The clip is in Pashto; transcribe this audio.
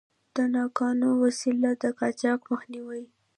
د ناقانونه وسلو د قاچاق مخه نیولې.